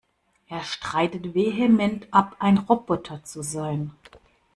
Er streitet vehement ab, ein Roboter zu sein.